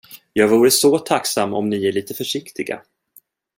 Jag vore så tacksam om ni är lite försiktiga.